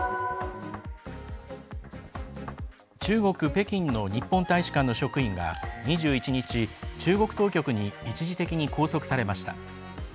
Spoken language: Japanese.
中国・北京の日本大使館の職員が２１日中国当局に一時的に拘束されました。